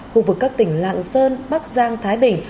khu vực các tỉnh lạng sơn bắc giang thái bình